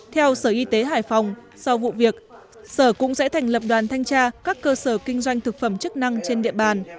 theo sở y tế hải phòng sau vụ việc sở cũng sẽ thành lập đoàn thanh tra các cơ sở kinh doanh thực phẩm chức năng trên địa bàn